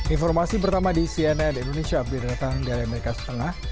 informasi pertama di cnn indonesia berdatang dari amerika setengah